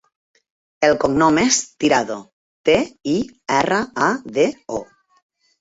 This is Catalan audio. El cognom és Tirado: te, i, erra, a, de, o.